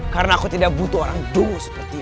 karena aku tidak butuh orang dungu sepertimu